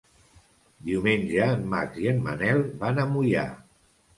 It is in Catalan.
Diumenge en Max i en Manel van a Moià.